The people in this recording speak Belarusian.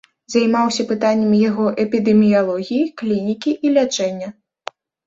Займаўся пытаннямі яго эпідэміялогіі, клінікі і лячэння.